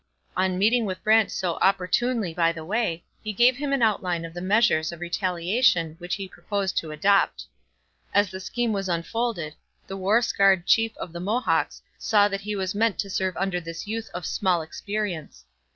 On meeting with Brant so opportunely by the way, he gave him an outline of the measures of retaliation which he proposed to adopt. As the scheme was unfolded, the war scarred chief of the Mohawks saw that he was meant to serve under this youth of small experience.